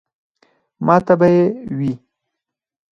ماته به ئې وې ـ